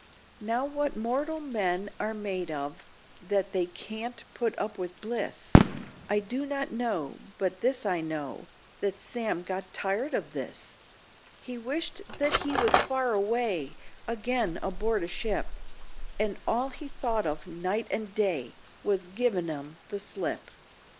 Now what mortal men are made of, that they can't put up with bliss, I do not know, but this I know, that Sam got tired of this; He wished that he was far away, again aboard a ship, And all he thought of—night and day—was givin' 'em the slip.